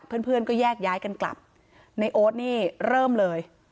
เพื่อนเพื่อนก็แยกย้ายกันกลับในโอ๊ตนี่เริ่มเลย